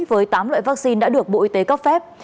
với tám loại vaccine đã được bộ y tế cấp phép